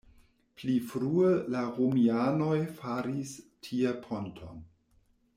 Pli frue la romianoj faris tie ponton.